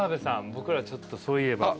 僕らちょっとそういえば。